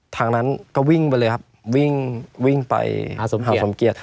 ทางนั้นก็วิ่งไปเลยครับวิ่งไปหาสมเกียจ